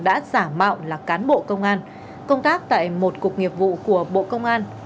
đã giả mạo là cán bộ công an công tác tại một cục nghiệp vụ của bộ công an